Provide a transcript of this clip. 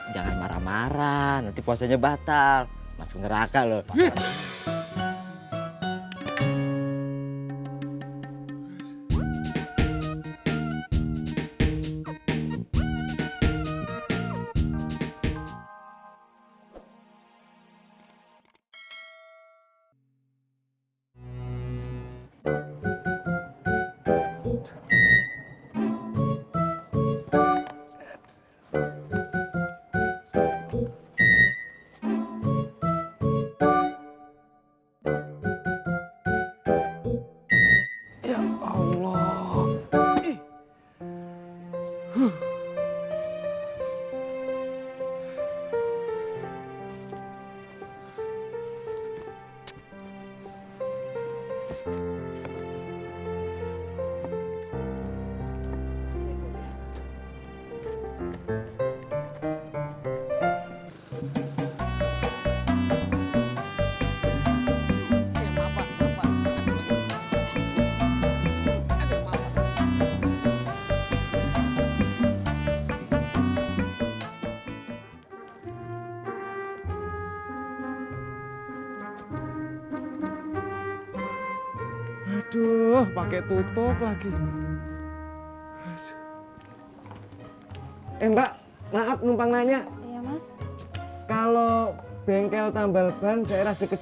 jangan marah marah nanti puasanya batal masuk neraka lo